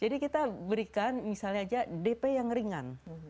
jadi kita berikan misalnya saja dp yang ringan